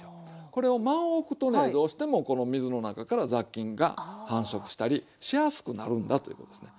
これを間をおくとねどうしてもこの水の中から雑菌が繁殖したりしやすくなるんだということですね。